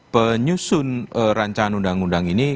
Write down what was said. penyusun rancangan undang undang ini